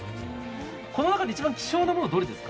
この中で一番希少な部位はどこですか？